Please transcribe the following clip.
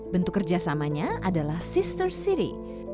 bentuk kerjasamanya adalah sister city